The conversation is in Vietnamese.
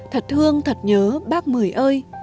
thật thương thật nhớ bác mười ơi